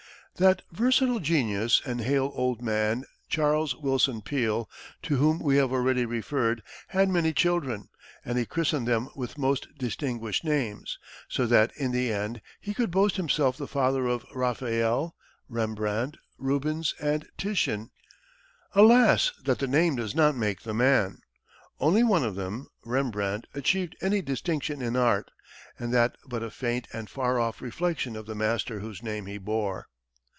That versatile genius and hale old man, Charles Willson Peale, to whom we have already referred, had many children, and he christened them with most distinguished names, so that, in the end, he could boast himself the father of Raphael, Rembrandt, Rubens and Titian. Alas that the name does not make the man! Only one of them, Rembrandt, achieved any distinction in art, and that but a faint and far off reflection of the master whose name he bore.